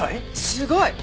すごい！